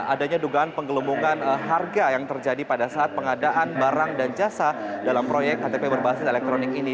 adanya dugaan penggelembungan harga yang terjadi pada saat pengadaan barang dan jasa dalam proyek ktp berbasis elektronik ini